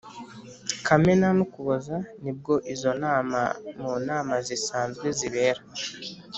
kamena n ukuboza nibwo izo nama mu nama zisanzwe zibera